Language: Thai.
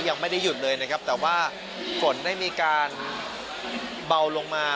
ยังไม่ได้หยุดเลยนะครับแต่ว่าฝนได้มีการเบาลงมา